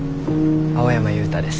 青山悠太です。